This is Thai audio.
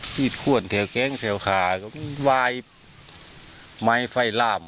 แถวแคล้งแถวค่าเมื่อไฟร่ามใส่บาย